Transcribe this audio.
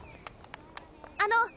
あの！